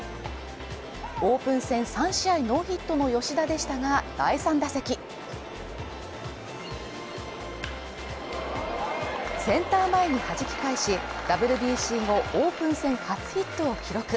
オープン戦３試合ノーヒットの吉田でしたが、第３打席センター前に弾き返し、ＷＢＣ後オープン戦初ヒットを記録。